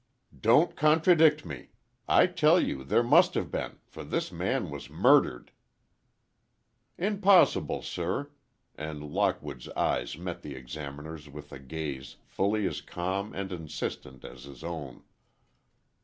"Don't contradict me! I tell you there must have been—for this man was murdered." "Impossible, sir," and Lockwood's eyes met the Examiner's with a gaze fully as calm and insistent as his own.